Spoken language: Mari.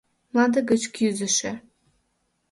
Мланде гыч кӱзышӧ